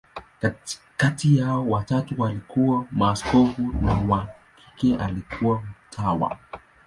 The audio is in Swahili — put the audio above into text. Kati yao, watatu walikuwa maaskofu, na wa kike alikuwa mtawa.